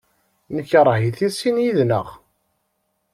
Nekṛeh-it i sin yid-nneɣ.